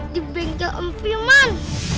di bengkel amfiman